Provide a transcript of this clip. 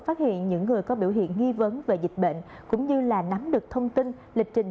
phát hiện những người có biểu hiện nghi vấn về dịch bệnh cũng như là nắm được thông tin lịch trình